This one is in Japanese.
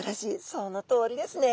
そのとおりですね。